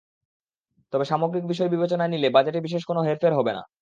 তবে সামগ্রিক বিষয় বিবেচনায় নিলে বাজেটে বিশেষ কোনো হেরফের হবে না।